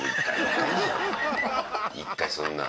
１回そんな。